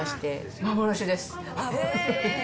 幻です！